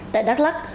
tại đắk lắc